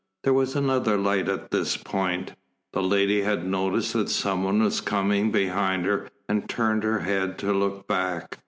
There was another light at this point. The lady had noticed that some one was coming behind her and turned her head to look back.